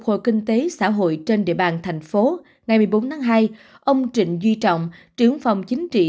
khôi kinh tế xã hội trên địa bàn thành phố ngày một mươi bốn tháng hai ông trịnh duy trọng trưởng phòng chính trị